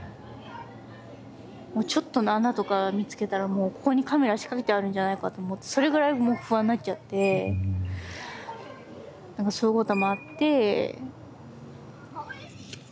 もうちょっとの穴とか見つけたらもうここにカメラ仕掛けてあるんじゃないかと思ってそれぐらいもう不安になっちゃってそういうこともあって。